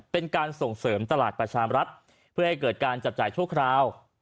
เป็นการส่งเสริมตลาดประชามรัฐเพื่อให้เกิดการจับจ่ายชั่วคราว